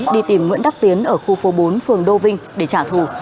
đi tìm nguyễn đắc tiến ở khu phố bốn phường đô vinh để trả thù